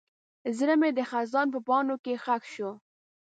زړه مې د خزان په پاڼو کې ښخ شو.